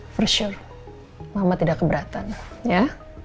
for sure mama tidak keberatan ya